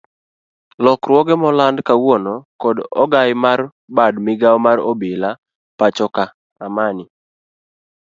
Lokruoge molandi kawuono kod ogai mar bad migao mar obila pachoka Amani.